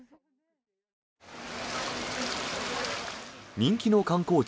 人気の観光地